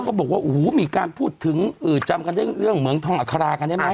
บอกว่าโอ้โหมีการพูดถึงจำกันได้เรื่องเหมืองทองอัครากันได้ไหม